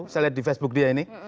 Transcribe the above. saya lihat di facebook dia ini